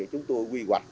chúng tôi quy hoạch